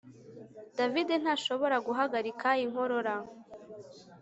David ntashobora guhagarika inkorora